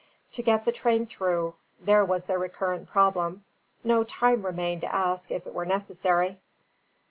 To get the train through: there was the recurrent problem; no time remained to ask if it were necessary.